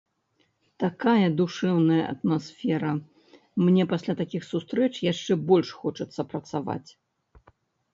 Такая душэўная атмасфера, мне пасля такіх сустрэч яшчэ больш хочацца працаваць.